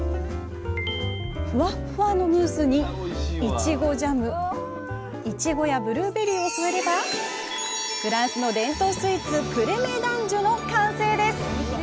ふわっふわのムースにいちごジャムいちごやブルーベリーを添えればフランスの伝統スイーツクレメ・ダンジュの完成です！